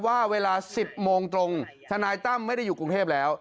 ว่าเวลา๑๐โมงตรงทนายตั้มไม่ได้อยู่กรุงเทพแล้ว